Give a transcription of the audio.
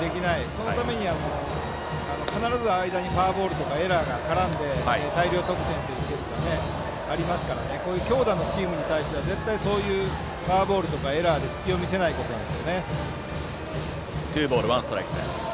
そのためには必ず間にフォアボールとかエラーが絡んで大量得点というケースがありますから強打のチームに対してはフォアボールやエラーで隙を見せないことですね。